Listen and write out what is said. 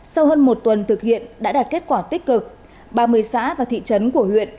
sau hơn một tuần thực hiện đã đạt kết quả tích cực ba mươi xã và thị trấn của huyện